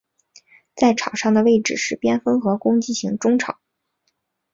在场上的位置是边锋和攻击型中场。